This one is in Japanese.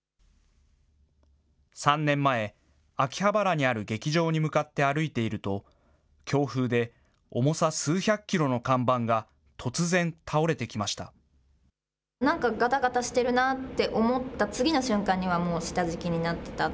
３年前、秋葉原にある劇場に向かって歩いていると、強風で重さ数百キロの看板が突然倒れてきました。